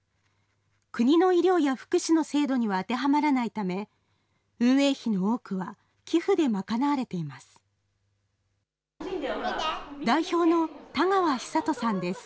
国の医療や福祉の制度には当てはまらないため、運営費の多くは、寄付で賄われています。